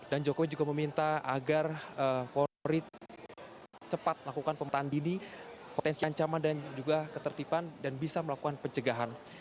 dan jokowi juga meminta agar polri cepat melakukan pemetaan dini potensi ancaman dan juga ketertiban dan bisa melakukan pencegahan